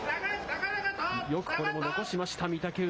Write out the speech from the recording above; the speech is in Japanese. よくこれも残しました、御嶽海。